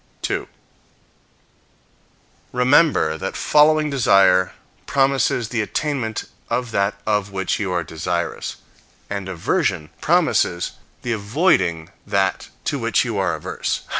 2. Remember that following desire promises the attainment of that of which you are desirous; and aversion promises the avoiding that to which you are averse.